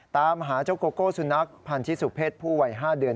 ตามหาเจ้าโกโก้สุนัขพันธิสุเพศผู้วัย๕เดือน